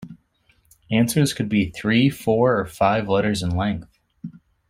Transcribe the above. Answers could be three, four, or five letters in length.